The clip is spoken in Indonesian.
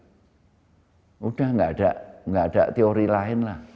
sudah tidak ada teori lainlah